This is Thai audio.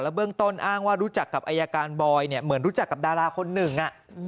เบื้องต้นอ้างว่ารู้จักกับอายการบอยเนี่ยเหมือนรู้จักกับดาราคนหนึ่ง